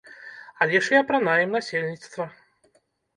Але ж і апранаем насельніцтва.